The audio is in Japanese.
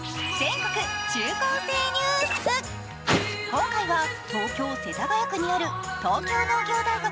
今回は、東京・世田谷区にある東京農業大学